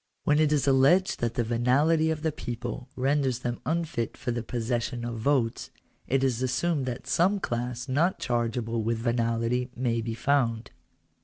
When it is alleged that the venality of the people renders them unfit for the possession of votes, it is assumed that some class not charge able with venality may be found.